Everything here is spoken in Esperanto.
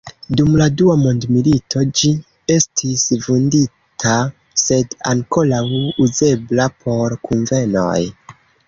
Dum la Dua Mondmilito ĝi estis vundita, sed ankoraŭ uzebla por kunvenoj.